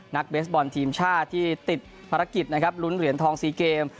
เบสบอลทีมชาติที่ติดภารกิจนะครับลุ้นเหรียญทอง๔เกม